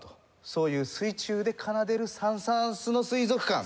そういう水中で奏でるサン＝サーンスの『水族館』。